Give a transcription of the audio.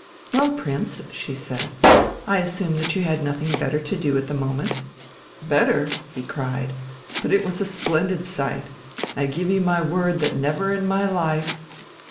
"Well, Prince," she said, "I assume that you had nothing better to do at the moment." "Better?" he cried. "But it was a splendid sight. I give you my word that never in my life